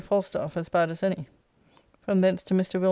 Falstaffe t as bad as any. From thence to Mr. Will.